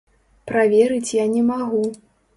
Праверыць я не магу.